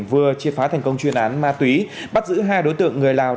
vừa triệt phá thành công chuyên án ma túy bắt giữ hai đối tượng người lào